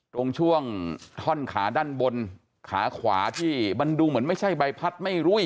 ตรงช่วงท่อนขาด้านบนขาขวาที่มันดูเหมือนไม่ใช่ใบพัดไม่รุ่ย